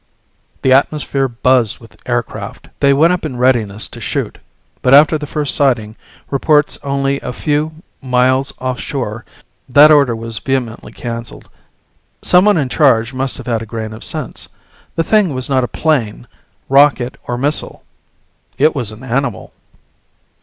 The atmosphere buzzed with aircraft. They went up in readiness to shoot, but after the first sighting reports only a few miles offshore, that order was vehemently canceled someone in charge must have had a grain of sense. The thing was not a plane, rocket or missile. It was an animal.